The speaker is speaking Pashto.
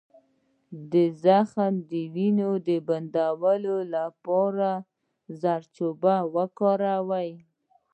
د زخم د وینې بندولو لپاره زردچوبه وکاروئ